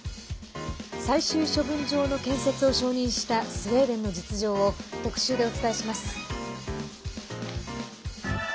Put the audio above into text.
最終処分場の建設を承認したスウェーデンの実情を特集でお伝えします。